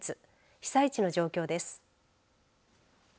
被災地の状況です。